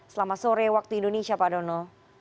selamat sore waktu indonesia pak dono